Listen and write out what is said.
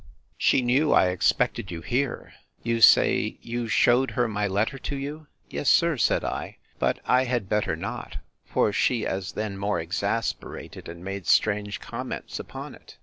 She knew I expected you here: You say, you shewed her my letter to you? Yes, sir, said I; but I had better not; for she as then more exasperated, and made strange comments upon it.